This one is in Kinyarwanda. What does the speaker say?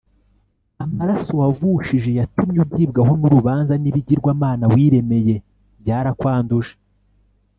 Amaraso wavushije yatumye ugibwaho n’urubanza, n’ibigirwamana wiremeye byarakwanduje,